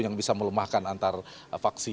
yang bisa melemahkan antar faksi